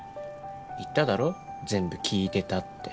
言っただろ全部聞いてたって。